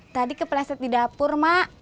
tadi kepleset di dapur mak